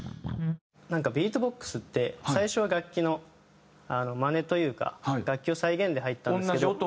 なんかビートボックスって最初は楽器のマネというか楽器を再現で入ったんですけど。